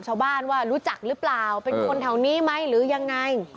เป็นคนแถวนี้ไหมหรือยังไง